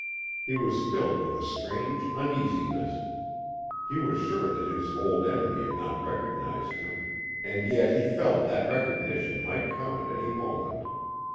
He was filled with a strange uneasiness. He was sure that his old enemy had not recognized him, and yet he felt that recognition might come at any moment.